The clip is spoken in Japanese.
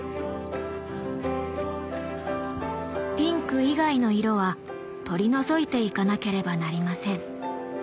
ピンク以外の色は取り除いていかなければなりません。